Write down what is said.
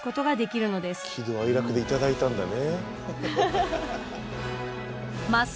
喜怒哀楽でいただいたんだね。